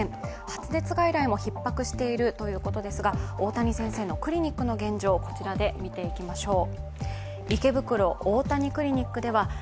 発熱外来もひっ迫しているということですが大谷先生のクリニックの現状、見ていきましょう。